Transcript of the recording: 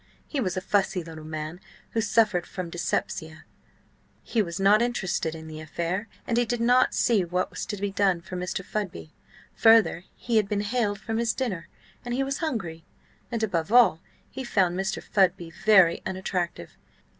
He was a fussy little man who suffered from dyspepsia; he was not interested in the affair, and he did not see what was to be done for Mr. Fudby. Further, he had been haled from his dinner, and he was hungry; and, above all, he found Mr. Fudby very unattractive.